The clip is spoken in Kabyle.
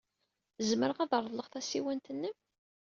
Zemreɣ ad reḍleɣ tasiwant-nnem?